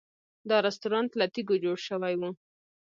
دا رسټورانټ له تیږو جوړ شوی و.